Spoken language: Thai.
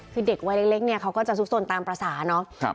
คือเด็กวัยเล็กเนี่ยเขาก็จะซุกสนตามภาษาเนาะ